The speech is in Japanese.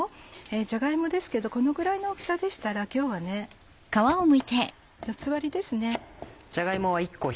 じゃが芋ですけどこのぐらいの大きさでしたら今日は四つ割りですね。